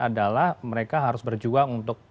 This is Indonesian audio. adalah mereka harus berjuang untuk